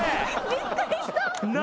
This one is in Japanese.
びっくりした。